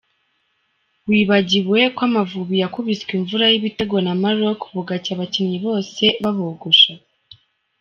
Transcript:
wibagiwe ko amavubi yakubiswe imvura y'ibitego na Maroc bugacya abakinnyi Bose babogosha !!!!.